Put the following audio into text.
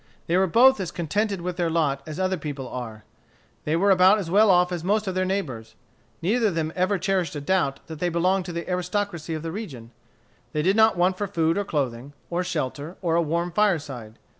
They were both as contented with their lot as other people are. They were about as well off as most of their neighbors. Neither of them ever cherished a doubt that they belonged to the aristocracy of the region. They did not want for food or clothing, or shelter, or a warm fireside.